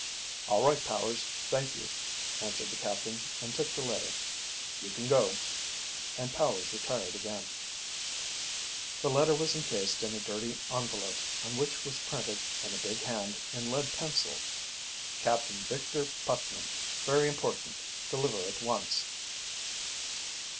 "All right, Powers; thank you," answered the captain, and took the letter. "You can go," and Powers retired again. The letter was encased in a dirty, envelope on which was printed in a big hand, in lead pencil: "CAPT. VICTOR PUTNAM. Very Important. Deliver at Once."